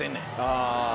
ああ。